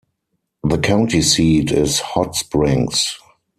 The county seat is Hot Springs.